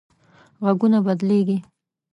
غږونه بدلېږي